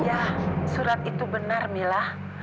ya surat itu benar mila